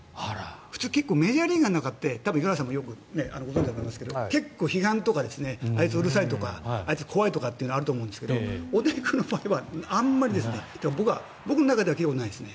普通、結構メジャーリーガーの中って五十嵐さんもご存じだと思いますが結構、批判とかあいつうるさいとかあいつ怖いとかってあると思うんですが大谷君の場合は僕の中では聞いたことないですね。